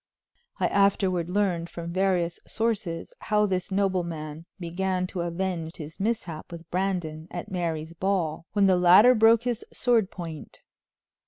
I afterward learned from various sources how this nobleman began to avenge his mishap with Brandon at Mary's ball when the latter broke his sword point.